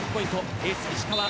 エース、石川。